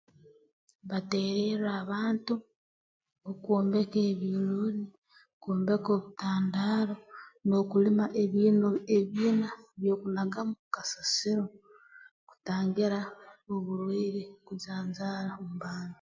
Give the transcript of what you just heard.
Batererra abantu okwombeka ebyolooni kwombeka obutandaaro n'okulima ebiino ebiina by'okunagamu kasasiro kutangira oburwaire kujanjaara omu bantu